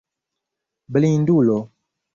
Blindulo!